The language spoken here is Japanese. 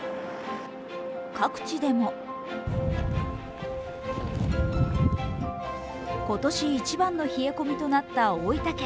各地でも今年一番の冷え込みとなった大分県。